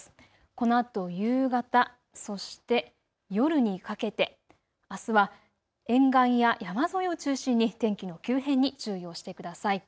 このあと夕方、そして夜にかけてあすは沿岸や山沿いを中心に天気の急変に注意をしてください。